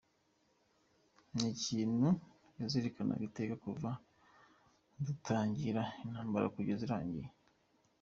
Ni ikintu yazirikanaga iteka kuva dutangiye intambara kugeza irangiye.